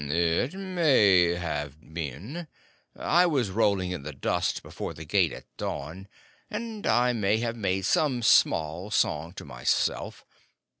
"It may have been. I was rolling in the dust before the gate at dawn, and I may have made also some small song to myself.